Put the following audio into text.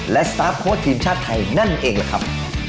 และสตาร์ฟโค้ดทีมชาติไทยนั่นเองล่ะครับ